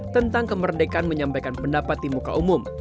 tentang kemerdekaan menyampaikan pendapat di muka umum